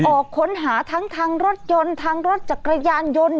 ออกค้นหาทั้งทางรถยนต์ทางรถจักรยานยนต์